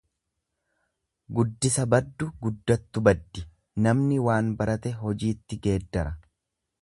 Guddisa baddu guddattu baddi Namni waan barate hojiitti geeddara.